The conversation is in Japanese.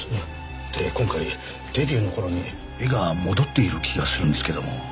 で今回デビューの頃に絵が戻っている気がするんですけども。